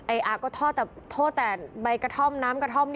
อาคก็ท่อแต่ใบกระท่อมน้ำกระท่อม